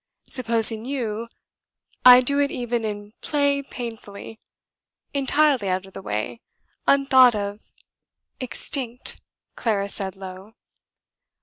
Supposing you I do it even in play painfully entirely out of the way, unthought of. .." "Extinct," Clara said low.